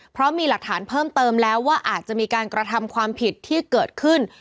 เพราะมีหลักฐานเพิ่มเติมแล้วว่าอาจจะมีการกระทำความผิดที่เกิดขึ้น